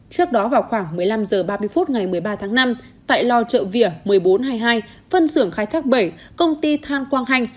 trước đó vào khoảng một mươi năm h ba mươi phút ngày một mươi ba tháng năm tại lo trợ vỉa một mươi bốn hai mươi hai phân xưởng khai thác bảy công ty than quang hanh